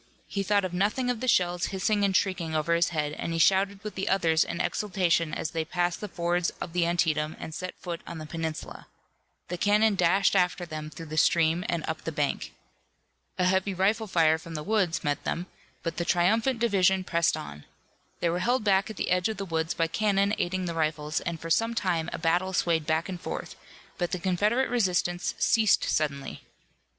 He thought nothing of the shells hissing and shrieking over his head, and he shouted with the others in exultation as they passed the fords of the Antietam and set foot on the peninsula. The cannon dashed after them through the stream and up the bank. A heavy rifle fire from the woods met them, but the triumphant division pressed on. They were held back at the edge of the woods by cannon aiding the rifles, and for some time a battle swayed back and forth, but the Confederate resistance ceased suddenly.